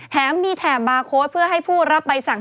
แถมมีแถบบาร์โค้ดเพื่อให้ผู้รับใบสั่ง